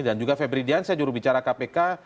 dan juga febri dian saya juru bicara kpk